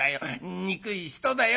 憎い人だよ